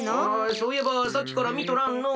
そういえばさっきからみとらんのう。